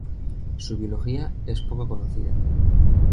Su biología es poco conocida.